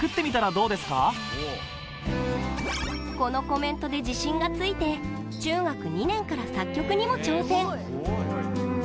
このコメントで自信がついて中学２年から作曲にも挑戦。